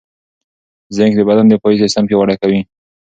زېنک د بدن دفاعي سیستم پیاوړی کوي.